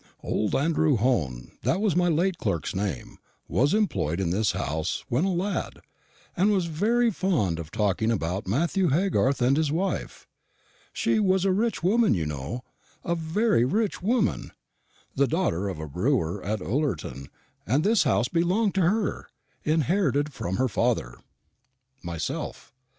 Old Andrew Hone that was my late clerk's name was employed in this house when a lad, and was very fond of talking about Matthew Haygarth and his wife. She was a rich woman, you know, a very rich woman the daughter of a brewer at Ullerton; and this house belonged to her inherited from her father. Myself.